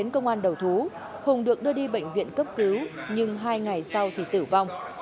công an đầu thú hùng được đưa đi bệnh viện cấp cứu nhưng hai ngày sau thì tử vong